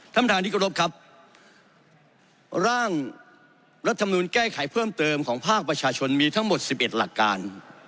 ท่านประธานที่กรบครับร่างรัฐมนูลแก้ไขเพิ่มเติมของภาคประชาชนมีทั้งหมด๑๑หลักการ